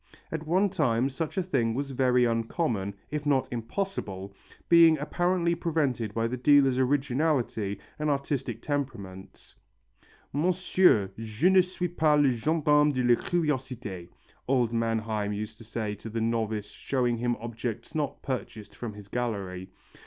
At one time such a thing was very uncommon, if not impossible, being apparently prevented by the dealer's originality and artistic temperament. "Monsieur, je ne suis pas le gendarme de la curiosité," old Manheim used to say to the novice showing him objects not purchased from his gallery.